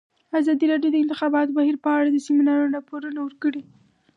ازادي راډیو د د انتخاباتو بهیر په اړه د سیمینارونو راپورونه ورکړي.